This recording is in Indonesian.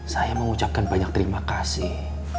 saya mengucapkan banyak terima kasih